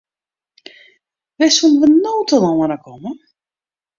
Wêr soenen we no telâne komme?